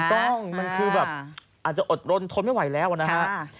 ถูกต้องมันคือแบบอาจจะอดรนทนไม่ไหวแล้วนะฮะ